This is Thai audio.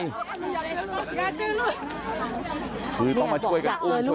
อยากจะเห็นว่าลูกเป็นยังไงอยากจะเห็นว่าลูกเป็นยังไง